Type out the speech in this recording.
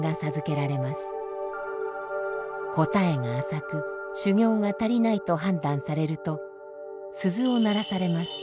答えが浅く修行が足りないと判断されると鈴を鳴らされます。